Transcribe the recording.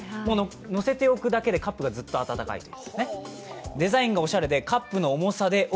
載せておくだけでカップがずっと温かいという。